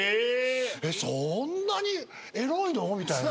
そんなにエロいの？みたいな。